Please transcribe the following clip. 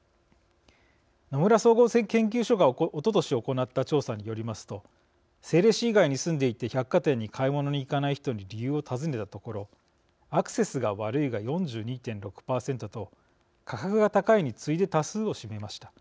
野村総合研究所がおととし行った調査によりますと政令市以外に住んでいて百貨店に買い物に行かない人に理由を尋ねたところアクセスが悪いが４２．６％と価格が高いに次いで多数を占めました。